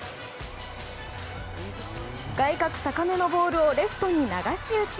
外角高めのボールをレフトに流し打ち。